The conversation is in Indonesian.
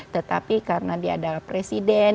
tetapi karena dia adalah presiden